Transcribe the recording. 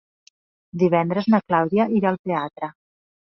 Divendres na Clàudia irà al teatre.